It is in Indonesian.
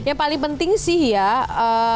yang paling penting sih ya